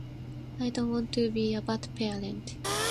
I don't want to be a bad parent.